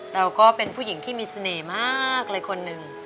เราก็เป็นผู้หญิงที่มีเสน่ห์มากเลยคนหนึ่ง